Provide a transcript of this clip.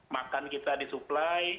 makan kita disuplai